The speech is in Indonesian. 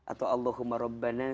atau allohumma rabbana